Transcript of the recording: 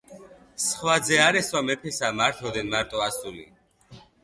სხვა ძე არ ესვა მეფესა, მართ ოდენ მარტო ასული.